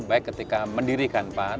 baik ketika mendirikan pan